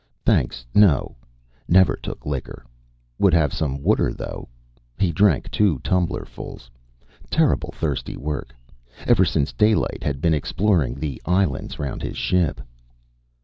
"Thanks! No." Never took liquor. Would have some water, though. He drank two tumblerfuls. Terrible thirsty work. Ever since daylight had been exploring the islands round his ship.